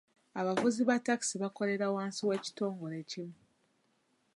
Abavuzi ba taxi bakolera wansi w'ekitongole ekimu.